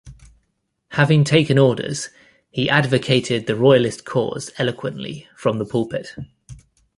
Having taken orders, he advocated the Royalist cause eloquently from the pulpit.